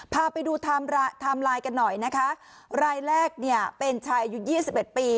พาไปดูไทม์ไลน์กันหน่อยนะคะรายแรกเป็นชายอายุ๒๑ปี